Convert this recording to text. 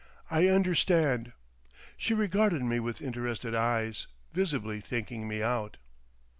"I understand." She regarded me with interested eyes, visibly thinking me out.